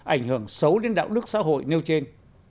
ảnh hưởng xấu đến đạo đức xã hội nêu trên